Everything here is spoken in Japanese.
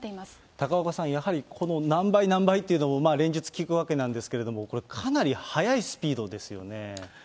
高岡さん、やはりこの何倍、何倍っていうのも連日聞くわけなんですけれども、これかなり速いスピードですよね。